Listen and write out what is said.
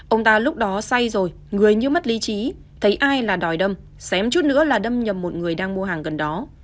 ông ta lúc đó say rồi người như mất lý trí thấy ai là đòi đâm chém nữa là đâm nhầm một người đang mua hàng gần đó